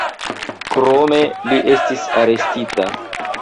Krome li estis arestita.